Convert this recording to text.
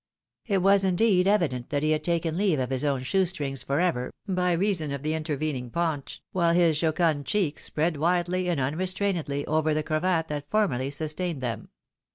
It was, indeed, evident that he had taken leave of his own shoe strings for ever, by reason of the intervening paunch, while his jocund cheeks spread widely, and unrestrainedly, over the cravat that formerly sustained them.